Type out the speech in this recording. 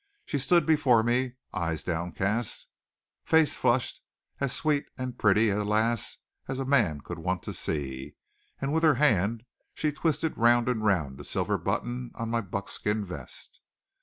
She stood before me, eyes downcast, face flushed, as sweet and pretty a lass as man could want to see, and with her hand she twisted round and round a silver button on my buckskin vest.